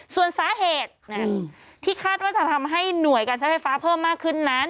ส่วนสาเหตุที่คาดว่าจะทำให้หน่วยการใช้ไฟฟ้าเพิ่มมากขึ้นนั้น